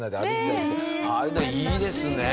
ああいうのいいですね。